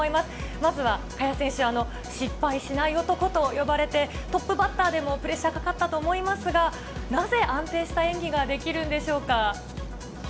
まずは萱選手、失敗しない男と呼ばれて、トップバッターでもプレッシャーかかったと思いますが、なぜ安定した演技ができるんでしょうか。